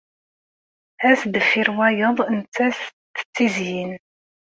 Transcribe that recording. Ass deffir wayeḍ nettat tettizyin.